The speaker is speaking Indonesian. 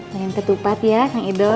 main ketupat ya kak ido